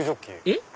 えっ？